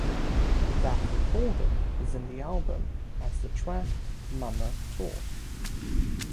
That recording is in the album as the track "Momma Talk".